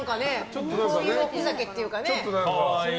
こういうおふざけっていうかね。